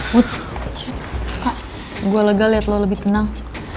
put kak gue lega liat lo lebih tenang